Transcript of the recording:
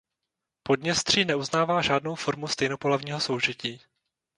Podněstří neuznává žádnou formu stejnopohlavního soužití.